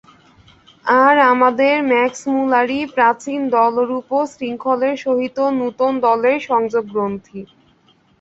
আর আমাদের ম্যাক্সমূলারই প্রাচীনদলরূপ শৃঙ্খলের সহিত নূতন দলের সংযোগগ্রন্থি।